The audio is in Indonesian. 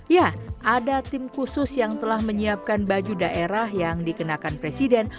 ya ada tim khusus yang telah menyiapkan baju daerah yang dikenakan presiden